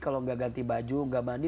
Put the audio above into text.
kalau gak ganti baju gak mandi